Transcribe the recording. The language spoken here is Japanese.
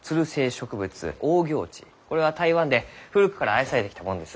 これは台湾で古くから愛されてきたもんです。